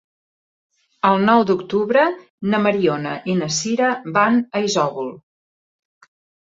El nou d'octubre na Mariona i na Sira van a Isòvol.